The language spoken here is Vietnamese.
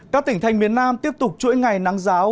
các tỉnh thành miền nam tiếp tục chuỗi ngày nắng giáo